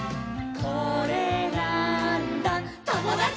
「これなーんだ『ともだち！』」